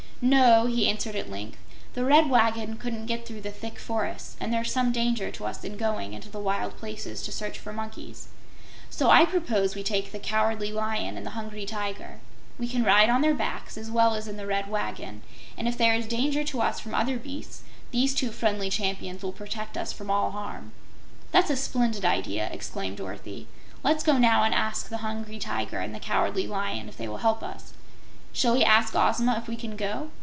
"No," he answered at length, "the Red Wagon couldn't get through the thick forests and there's some danger to us in going into the wild places to search for monkeys. So I propose we take the Cowardly Lion and the Hungry Tiger. We can ride on their backs as well as in the Red Wagon, and if there is danger to us from other beasts, these two friendly champions will protect us from all harm." "That's a splendid idea!" exclaimed Dorothy. "Let's go now and ask the Hungry Tiger and the Cowardly Lion if they will help us. Shall we ask Ozma if we can go?"